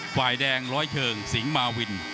ฝ่ายแดงร้อยเชิงสิงหมาวิน